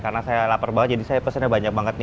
karena saya lapar banget jadi saya pesennya banyak banget nih